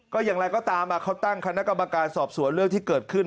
ก็อย่างไรก็ตามเขาตั้งคณะกรรมการสอบสวนเรื่องที่เกิดขึ้น